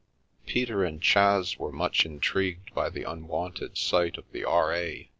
Peter and Chas were much intrigued by the unwonted sight of the RA.